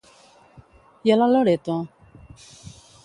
I a la Loreto?